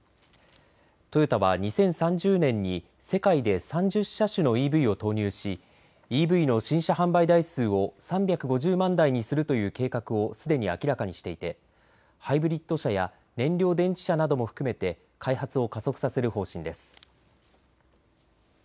トヨタは２０３０年に世界で３０車種のＥＶを投入しＥＶの新車販売台数を３５０万台にするという計画をすでに明らかにしていてハイブリッド車や燃料電池車なども含めて開発を加速させる方針です。